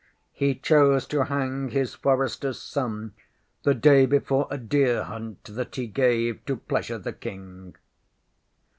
He chose to hang his foresterŌĆÖs son the day before a deer hunt that he gave to pleasure the King.